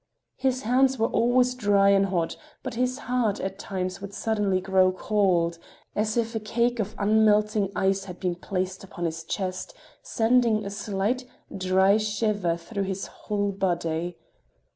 His hands were always dry and hot, but his heart at times would suddenly grow cold, as if a cake of unmelting ice had been placed upon his chest, sending a slight, dry shiver through his whole body.